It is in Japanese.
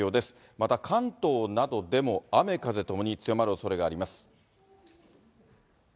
また、関東などでも雨風ともに強まるおそれがあります。